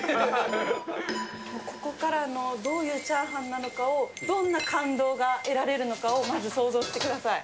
ここからのどういうチャーハンなのかを、どんな感動が得られるのかをまず想像してください。